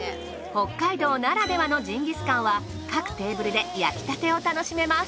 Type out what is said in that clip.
北海道ならではのジンギスカンは各テーブルで焼きたてを楽しめます。